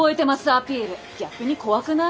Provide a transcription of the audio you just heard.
アピール逆に怖くない？